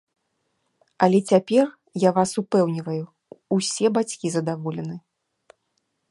Але цяпер, я вас упэўніваю, усе бацькі задаволены!